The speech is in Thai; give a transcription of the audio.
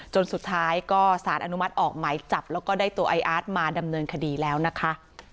จนสุดท้ายก็สารอนุมัติออกหมายจับแล้วก็ได้ตัวไออาร์ตมาดำเนินคดีแล้วนะคะ